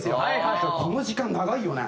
だからこの時間長いよね。